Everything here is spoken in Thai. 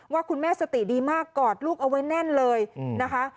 ว่าคุณแม่สติดีมากกอดลูกเอาไว้แน่นเลยนะคะ